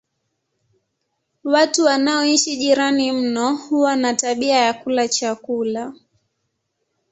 Watu wanaoishi jirani mno huwa na tabia ya kula chakula